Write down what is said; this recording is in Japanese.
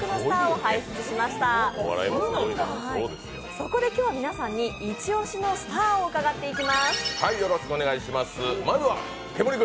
そこで今日は皆さんにイチオシのスターを伺っていきます。